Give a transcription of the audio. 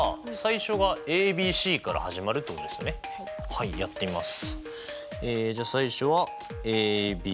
はいやってみます。